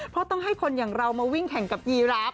เพราะต้องให้คนอย่างเรามาวิ่งแข่งกับยีราฟ